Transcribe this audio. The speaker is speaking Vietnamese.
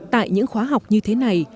tại những khóa học như thế này